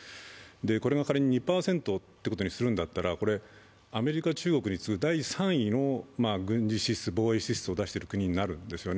これが仮に２％だということにするならばアメリカ、中国に次ぐ第３位軍事支出、防衛支出を出している国になるんですよね。